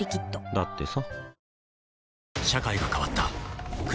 だってさ